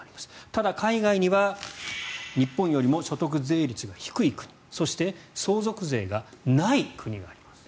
ただ、海外には日本よりも所得税率が低い国そして相続税がない国があります。